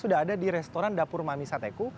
sudah ada di restoran dapur mami sateku